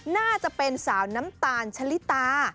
น่าจะเป็นสาวน้ำตาลชะลิตา